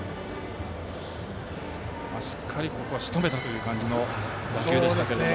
しっかりしとめたという感じの打球でしたけども。